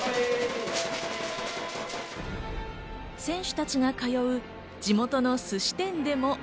選手たちが通う地元のすし店でも。